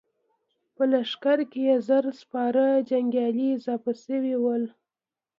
په لښکر کې يې زر سپاره جنګيالي اضافه شوي ول.